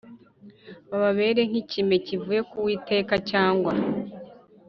bababere nk ikime kivuye ku Uwiteka cyangwa